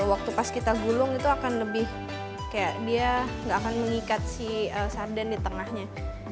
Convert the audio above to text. waktu pas kita gulung itu akan lebih kayak dia nggak akan mengikat si sarden di tengahnya